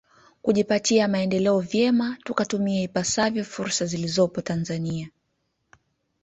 Kujipatia maendeleo vyema tukatumia ipasavyo fursa zilizopo Tanzania